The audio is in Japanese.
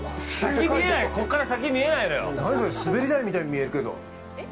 滑り台みたいに見えるけど。